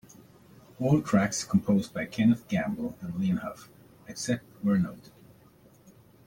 All tracks composed by Kenneth Gamble and Leon Huff; except where noted.